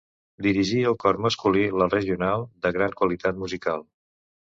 Dirigí el cor masculí La Regional, de gran qualitat musical.